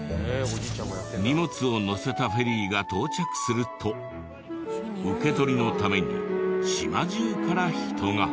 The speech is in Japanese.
荷物を載せたフェリーが到着すると受け取りのために島中から人が。